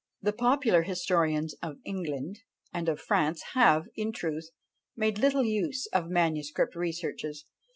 The popular historians of England and of France have, in truth, made little use of manuscript researches.